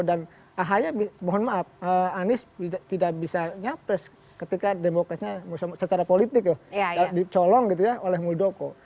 dan ahaya mohon maaf anies tidak bisa nyapres ketika demokratnya secara politik ya dicolong gitu ya oleh muldoko